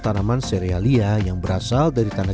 tanaman serealia yang berasal dari tanah